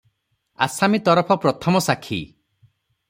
ଆସାମୀ ତରଫ ପ୍ରଥମ ସାକ୍ଷୀ ।